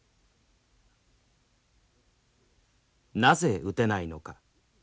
「なぜ打てないのか？